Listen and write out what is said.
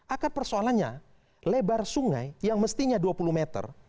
akar persoalannya lebar sungai yang mestinya dua puluh meter